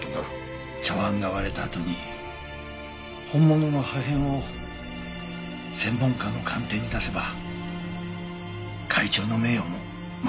茶碗が割れたあとに本物の破片を専門家の鑑定に出せば会長の名誉も守る事出来ますから。